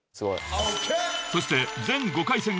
［そして］